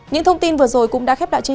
những thông tin vừa rồi cũng đã khép lại